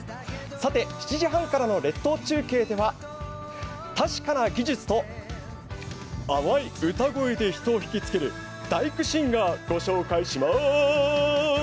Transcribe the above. さて７時半からの列島中継では確かな技術と甘い歌声で甘い歌声で人を引きつける大工シンガー、ご紹介します。